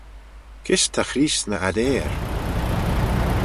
Kys ta Creest ny 'adeyr?